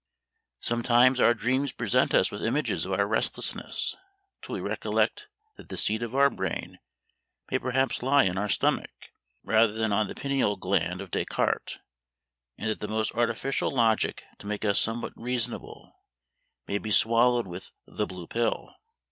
Sometimes our dreams present us with images of our restlessness, till we recollect that the seat of our brain may perhaps lie in our stomach, rather than on the pineal gland of Descartes; and that the most artificial logic to make us somewhat reasonable, may be swallowed with "the blue pill."